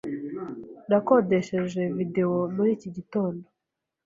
Nakodesheje videwo muri iki gitondo.